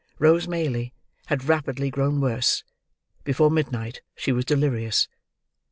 Rose Maylie had rapidly grown worse; before mid night she was delirious.